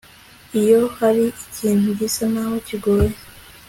iyo hari ikintu gisa naho kigoye